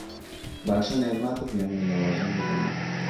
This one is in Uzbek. Ravshan Ermatov yangi lavozimni egalladi